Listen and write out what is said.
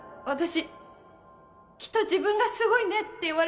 私きっと自分がすごいねって